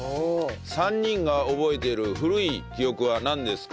３人が覚えている古い記憶はなんですか？